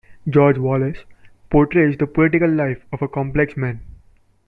"George Wallace" portrays the political life of a complex man.